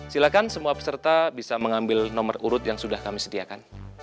silakan semua peserta bisa mengambil nomor urut yang sudah kami sediakan